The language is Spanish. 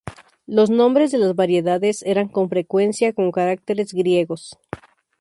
Los nombres de las variedades eran con frecuencia en caracteres griegos.